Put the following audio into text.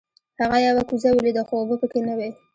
هغه یوه کوزه ولیده خو اوبه پکې نه وې.